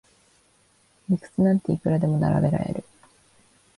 理屈なんていくらでも並べられる